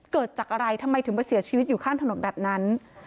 เกิดจากอะไรทำไมถึงมาเสียชีวิตอยู่ข้างถนนแบบนั้น